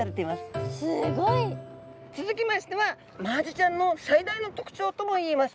すごい！続きましてはマアジちゃんの最大の特徴ともいえます